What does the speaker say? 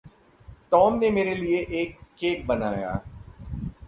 Tom ने मेरे लिये एक केक बनाया।